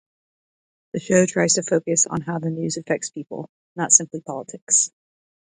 The show tries to focus on how the news affects people, not simply politics.